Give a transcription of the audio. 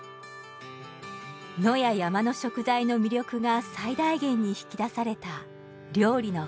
野や山の食材の魅力が最大限に引き出された料理の数々。